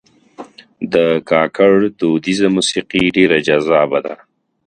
د کاکړ دودیزه موسیقي ډېر جذابه ده.